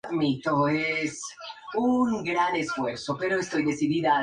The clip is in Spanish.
Se desconoce si esta práctica se expandirá por todo el resto del país.